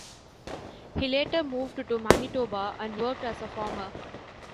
He later moved to Manitoba, and worked as a farmer.